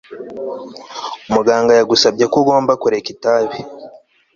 Muganga yagusabye ko ugomba kureka itabi